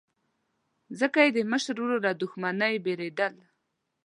ځکه یې د مشر ورور له دښمنۍ بېرېدل.